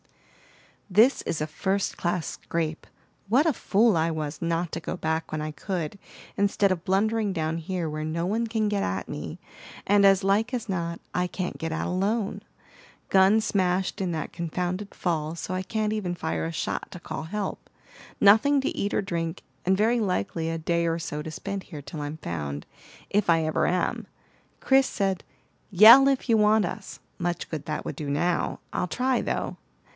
"This is a first class scrape. What a fool I was not to go back when I could, instead of blundering down here where no one can get at me, and as like as not I can't get out alone! Gun smashed in that confounded fall, so I can't even fire a shot to call help. Nothing to eat or drink, and very likely a day or so to spend here till I'm found, if I ever am. Chris said, 'Yell, if you want us.' Much good that would do now! I'll try, though."